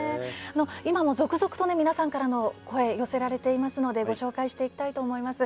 今も続々と皆さんからの声寄せられていますのでご紹介していきたいと思います。